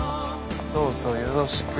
どうぞよろしく。